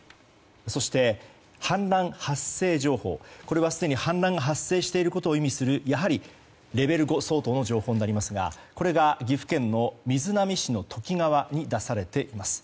そして、氾濫発生情報すでに氾濫が発生していることを意味するやはり、レベル５相当の情報になりますがこれが岐阜県の瑞浪市の土岐川に出されています。